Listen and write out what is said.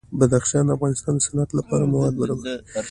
بدخشان د افغانستان د صنعت لپاره مواد برابروي.